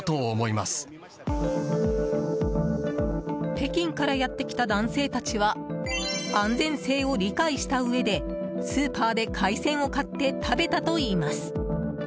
北京からやってきた男性たちは安全性を理解したうえでスーパーで海鮮を買って食べたといいます。